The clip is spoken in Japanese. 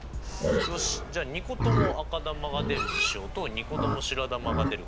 よしじゃあ２個とも赤球が出る事象と２個とも白球が出る事象。